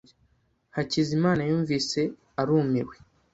Hakizimana yumvise arumiwe.